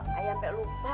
gak pape lupa